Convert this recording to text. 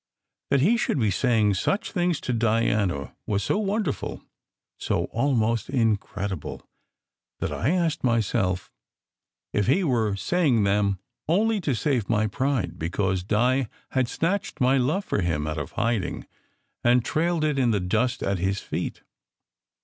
That he should be saying such things to Diana was so wonderful, so almost incredible, that I asked myself if he were saying them only to save my pride because Di had snatched my love for him out of hiding and trailed it in the dust at his feet.